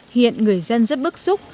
hiện người dân rất bức xúc